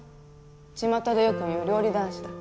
ちまたでよく言う料理男子だ